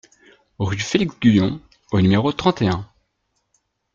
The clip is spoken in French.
Rue Félix Guyon au numéro trente et un